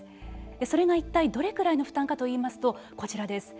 それが一体どれくらいの負担かといいますとこちらです。